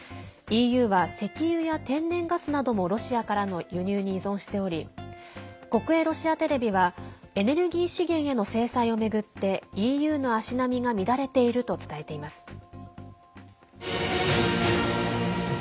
ＥＵは石油や天然ガスなどもロシアからの輸入に依存しており国営ロシアテレビはエネルギー資源への制裁を巡ってＥＵの足並みが乱れていると伝えています。